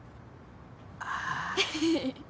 ああ。